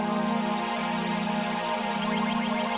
kenapa satria harus buta